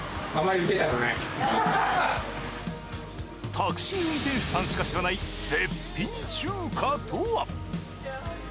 タクシー運転手さんしか知らない絶品中華とは？